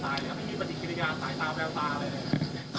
ไม่มีปฏิกิริยาศาสน์แววตาเลยนะครับ